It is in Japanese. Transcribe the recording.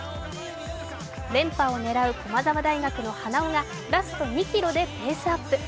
連覇を狙う駒沢大学の花尾がラスト２ｋｍでペースアップ。